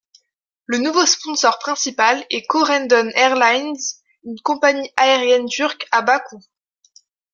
Le nouveau sponsor principal est Corendon Airlines, une compagnie aérienne turque à bas coûts.